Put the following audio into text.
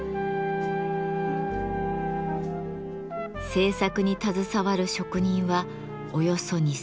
制作に携わる職人はおよそ２，０００人。